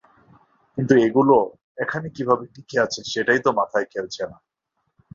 কিন্তু, এগুলো এখানে কীভাবে টিকে আছে সেটাই তো মাথায় খেলছে না!